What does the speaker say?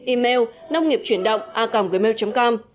email nông nghiệpchuyểnđộnga gmail com